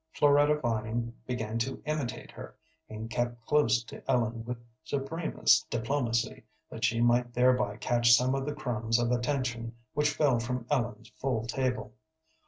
Floretta Vining began to imitate her, and kept close to Ellen with supremest diplomacy, that she might thereby catch some of the crumbs of attention which fell from Ellen's full table.